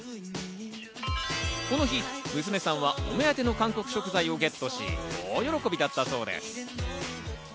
この日、娘さんはお目当ての韓国食材をゲットし大喜びだったそうです。